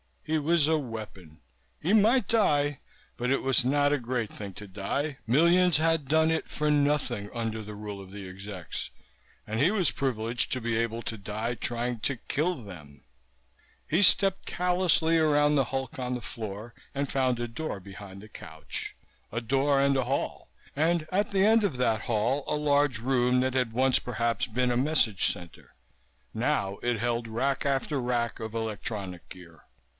He was a weapon. He might die but it was not a great thing to die, millions had done it for nothing under the rule of the execs, and he was privileged to be able to die trying to kill them. He stepped callously around the hulk on the floor and found a door behind the couch, a door and a hall, and at the end of that hall a large room that had once perhaps been a message center. Now it held rack after rack of electronic gear.